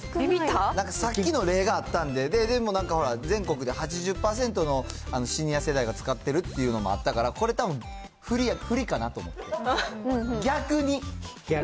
なんかさっきの例があったんで、でもなんか、ほら全国で８０％のシニア世代が使ってるっていうのもあったから、これたぶん、振りかなと思って。